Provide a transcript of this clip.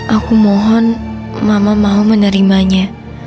aku mohon mama mau menerimanya